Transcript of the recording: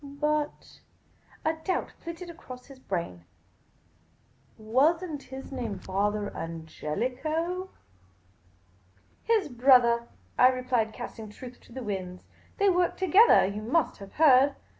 But —" a doubt flitted across his brain —" was n't his name Fra AngeHco ?"" His brother," I replied, casting truth to the winds. " They worked together, j'ou must have heard.